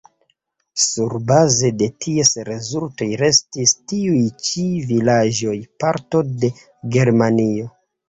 Surbaze de ties rezultoj restis tiuj ĉi vilaĝoj parto de Germanio.